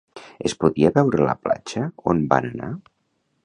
Es podia veure la platja on van anar?